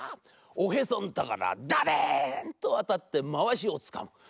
おへそんところどでんとあたってまわしをつかむ。